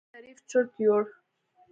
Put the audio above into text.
شريف چورت يوړ.